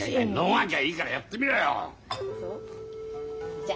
じゃあ。